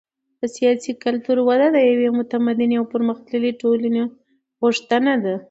د سیاسي کلتور وده د یوې متمدنې او پرمختللې ټولنې غوښتنه ده.